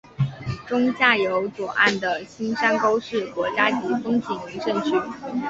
中下游左岸的青山沟是国家级风景名胜区。